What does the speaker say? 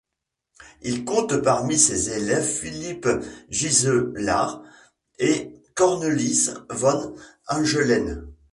Il compte parmi ses élèves Philip Gyselaer et Cornelis van Engelen.